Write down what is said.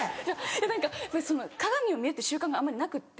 何か鏡を見るって習慣があまりなくって。